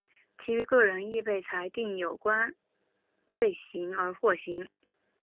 其余各人亦被裁定有相关罪行而获刑。